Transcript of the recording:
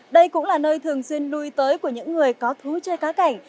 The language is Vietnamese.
đây cũng là nơi thường xuyên lui tới của những người có thú chơi cá cảnh